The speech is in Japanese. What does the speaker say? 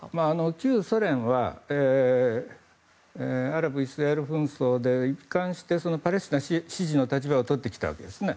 旧ソ連はアラブ、イスラエル紛争で一貫してパレスチナ支持の立場をとってきたわけですね。